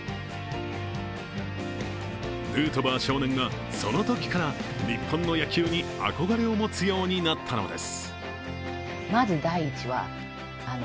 ヌートバー少年はそのときから、日本の野球に憧れを持つようになったのです。